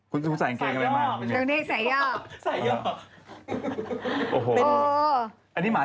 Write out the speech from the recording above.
ไวรุ่นต้องใส่ยินขาด